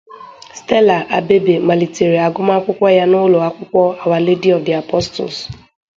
Stella Abebe malitere agụmakwụkwọ ya n'Ụlọ Akwụkwọ Our Lady of the Apostles.